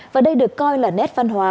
và đây được coi là nét văn hóa